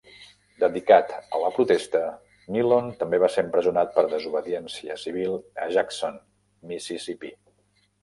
Dedicat a la protesta, Milhon també va ser empresonat per desobediència civil a Jackson, Mississippi.